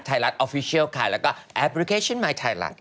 ไทยรัฐออฟฟิเชียลไทยแล้วก็แอปพลิเคชันไทยรัฐ